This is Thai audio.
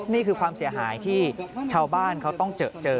นี่คือความเสียหายที่ชาวบ้านเขาต้องเจอ